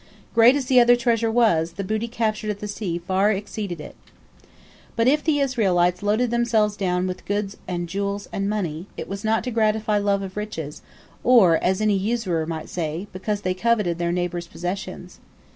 Great as the other treasure was, the booty captured at the sea far exceeded it. But if the Israelites loaded themselves down with goods and jewels and money, it was not to gratify love of riches, or, as any usurer might say, because they coveted their neighbors' possessions.